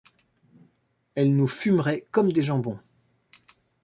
Elle nous fumerait comme des jambons.